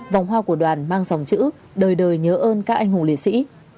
vòng hoa của đoàn mang dòng chữ đời đời nhớ ơn các anh hùng liệt sĩ